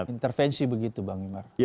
intervensi begitu bang imar